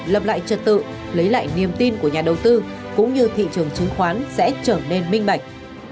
lập lại trật tự lấy lại niềm tin của nhà đầu tư cũng như thị trường chứng khoán sẽ trở nên minh bạch